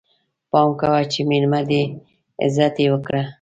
پام کوه چې ميلمه دی، عزت يې وکړه!